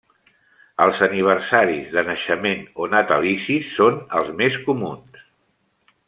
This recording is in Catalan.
Els aniversaris de naixement o natalicis són els més comuns.